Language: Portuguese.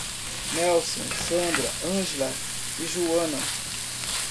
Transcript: Nélson, Sandra, Ângela e Joana